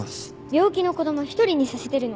病気の子供１人にさせてるの？